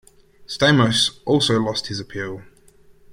Stamos also lost his appeal.